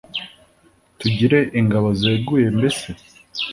tugire ingabo zeruye, mbese